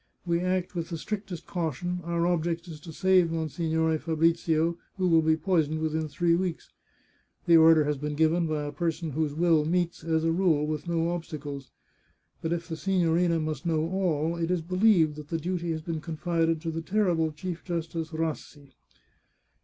We act with the strictest caution ; our object is to save Monsignore Fabrizio, who will be poisoned within three weeks. The order has been g^ven by a person whose will meets, as a rule, with no obstacles. But if the signorina must know all, it is believed that the duty has been confided to the terrible Chief Justice Rassi